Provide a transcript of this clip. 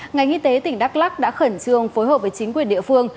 ngành y tế tỉnh đắk lắc đã khẩn trương phối hợp với chính quyền địa phương